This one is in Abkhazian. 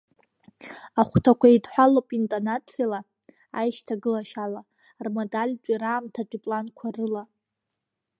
Ахәҭақәа еидҳәалоуп интонациала, аишьҭагылашьала, рмодальтәи раамҭатәи планқәа рыла.